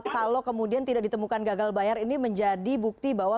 kalau kemudian tidak ditemukan gagal bayar ini menjadi bukti bahwa